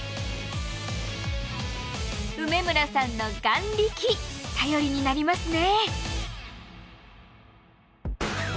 梅村さんの眼力頼りになりますね。